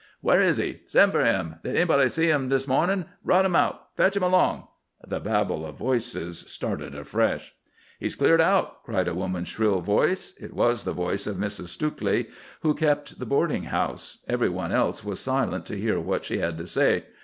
"Where is he?" "Send for him." "Did anybody see him this mornin'?" "Rout him out!" "Fetch him along!" The babel of voices started afresh. "He's cleared out," cried a woman's shrill voice. It was the voice of Mrs. Stukeley, who kept the boarding house. Every one else was silent to hear what she had to say.